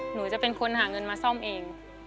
หนูจะเป็นคนหาเงินมาซ่อมเอง